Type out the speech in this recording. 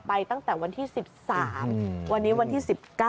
ตั้งแต่วันที่๑๓วันนี้วันที่๑๙